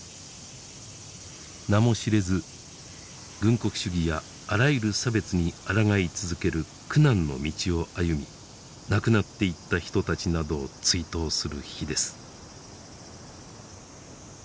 名も知れず軍国主義やあらゆる差別に抗い続ける苦難の道を歩み亡くなっていった人たちなどを追悼する碑です。